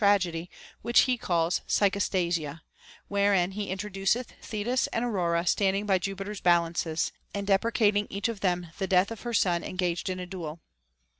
48 HOW A YOUNG MAN OUGHT edy which he calls Psychostasia, wherein he introduceth Thetis and Aurora standing by Jupiter's balances, and deprecating each of them the death of her son engaged in a duel.